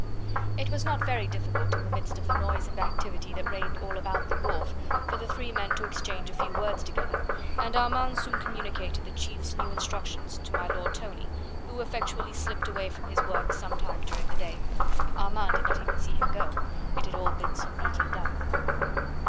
It was not very difficult in the midst of the noise and activity that reigned all about the wharf for the three men to exchange a few words together, and Armand soon communicated the chief's new instructions to my Lord Tony, who effectually slipped away from his work some time during the day. Armand did not even see him go, it had all been so neatly done.